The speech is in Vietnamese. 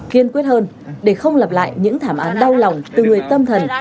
kiên quyết hơn để không lặp lại những thảm án đau lòng từ người tâm thần